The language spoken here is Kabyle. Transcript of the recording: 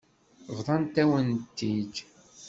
Bḍant-awen-t-id.